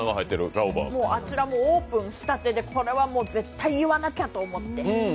オープンしたてで、これは言わなきゃと思って。